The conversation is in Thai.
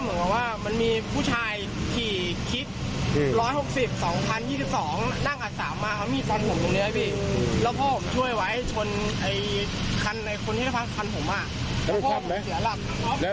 ก็พ่อมาขวาพี่มีล่วงรถคนนึงแล้วก็วิ่งหนีไปแล้ว